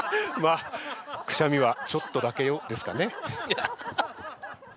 「くしゃみはちょっとだけよ」ですかね？